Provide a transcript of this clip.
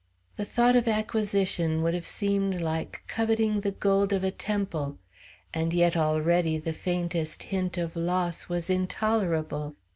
The thought of acquisition would have seemed like coveting the gold of a temple. And yet already the faintest hint of loss was intolerable.